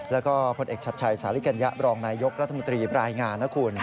แล้วก็พลต์เอกชัดชัยสลิกัญญาบรองนายกรัฐมนตรีปรายงาน